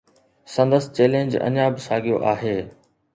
سندس چيلنج اڃا به ساڳيو آهي.